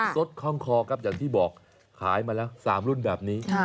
สดคล่องคอครับอย่างที่บอกขายมาแล้ว๓รุ่นแบบนี้